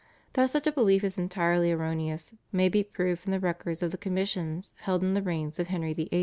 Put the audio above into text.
That such a belief is entirely erroneous may be proved from the records of the commissions held in the reigns of Henry VIII.